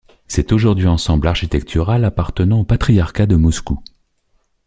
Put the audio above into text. C'est aujourd'hui ensemble architectural appartenant au patriarcat de Moscou.